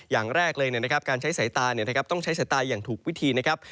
อย่างแรกเลยนะครับการใช้สายตาต้องใช้สายตาอย่างถูกวิธีนะครับ